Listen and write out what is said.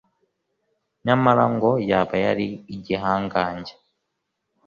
Nyamara ngo yaba yari igihangange